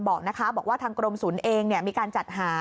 บอกว่าทางกรมศูนย์เองมีการจัดหา